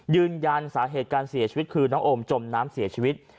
ยืนยันสาเหตุการเสียชีวิตคือน้องโอมจมน้ำเสียชีวิต